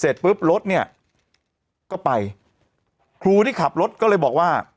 เสร็จปุ๊บรถเนี่ยก็ไปครูที่ขับรถก็เลยบอกว่า